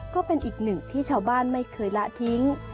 ก็เป็นอีกหนึ่งที่ชาวบ้านไม่เคยละทิ้ง